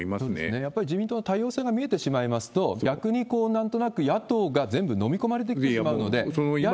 やっぱり自民党、多様性が見えてきてしまいますと、逆になんとなく、野党が全部のみ込まれていってしまうので。